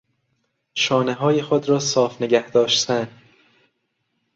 شانههای خود را صاف نگهداشتن